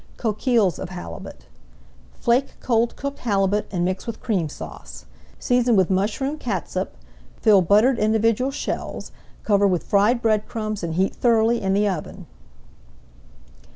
COQUILLES OF HALIBUT Flake cold cooked halibut, and mix with Cream Sauce. Season with mushroom catsup, fill buttered individual shells, cover with fried [Page 191] bread crumbs and heat thoroughly in the oven.